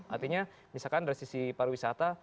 artinya misalkan dari sisi pariwisata